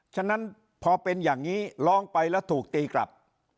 ฉะนั้นพอเป็นอย่างนี้ร้องไปแล้วถูกตีกลับ